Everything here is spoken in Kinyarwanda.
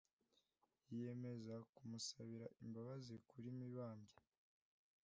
yiyemeza kumusabira imbabazi kuri mibambwe.